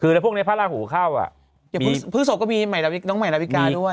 คือแล้วพวกในพระราหูเข้าอ่ะพฤษศพก็มีน้องใหม่ราวิกาด้วย